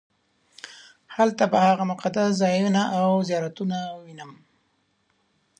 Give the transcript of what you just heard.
هلته به هغه مقدس ځایونه او زیارتونه ووینم.